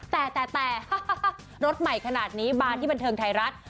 แต่แต่รถใหม่ขนาดนี้บานที่บันเทิงไทยรัฐ